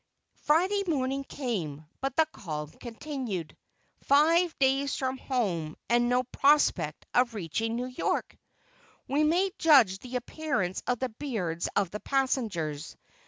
Friday morning came, but the calm continued. Five days from home, and no prospect of reaching New York! We may judge the appearance of the beards of the passengers.